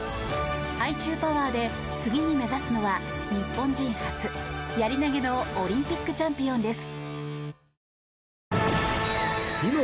ハイチュウパワーで次に目指すのは日本人初、やり投のオリンピックチャンピオンです。